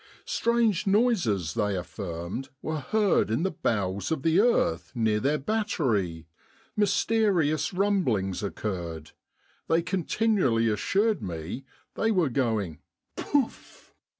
Strange noises, they affirmed, were heard in the bowels of the earth near their battery — mysterious rum blings occurred ; they continually assured me they were going Pouff